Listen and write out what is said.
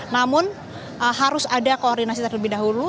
namun harus ada koordinasi terlebih dahulu